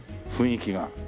雰囲気が。